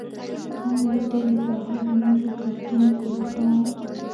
ان له ډلې بهر نورو کتونکو لپاره ده.